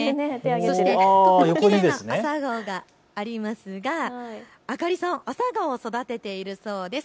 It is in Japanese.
そしてきれいな朝顔がありますがあかりさん、朝顔を育てているそうです。